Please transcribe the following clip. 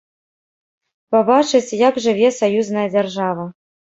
Пабачыць, як жыве саюзная дзяржава.